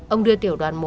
ông đưa tiểu đoàn một